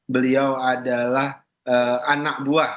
beliau adalah anak buah